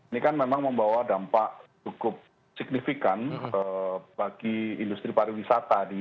ini kan memang membawa dampak cukup signifikan bagi industri pariwisata